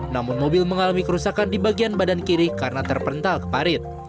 namun mobil mengalami kerusakan di bagian badan kiri karena terpental ke parit